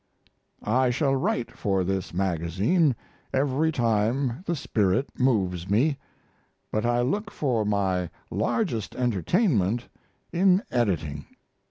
I shall write for this magazine every time the spirit moves me; but I look for my largest entertainment in editing.